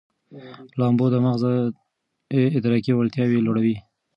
لامبو د مغز ادراکي وړتیاوې لوړوي.